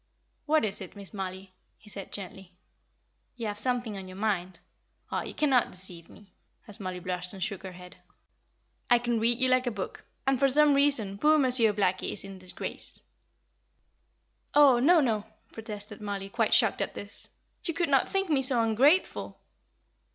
"What is it, Miss Mollie?" he said, gently. "You have something on your mind. Oh, you cannot deceive me," as Mollie blushed and shook her head. "I can read you like a book, and for some reason poor Monsieur Blackie is in disgrace." "Oh, no, no!" protested Mollie, quite shocked at this. "You could not think me so ungrateful!"